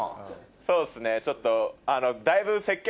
そうっすねちょっと。